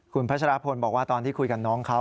คุณพัชรพลบอกว่าตอนที่คุยกับน้องเขา